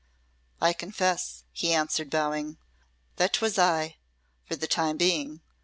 "I confess," he answered, bowing, "that 'twas I for the time being.